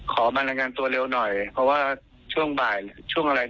ขอมารายงานตัวเร็วหน่อยเพราะว่าช่วงบ่ายช่วงอะไร